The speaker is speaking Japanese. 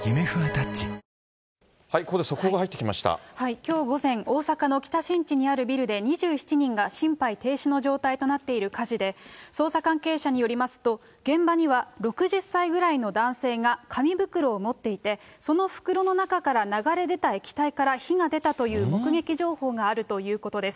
きょう午前、大阪の北新地にあるビルで、２７人が心肺停止の状態となっている火事で、捜査関係者によりますと、現場には６０歳ぐらいの男性が紙袋を持っていて、その袋の中から流れ出た液体から火が出たという目撃情報があるということです。